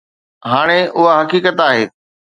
هاڻي اها حقيقت آهي